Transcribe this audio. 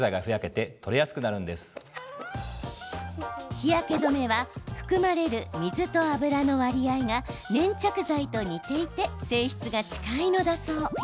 日焼け止めは含まれる水と油の割合が粘着剤と似ていて性質が近いのだそう。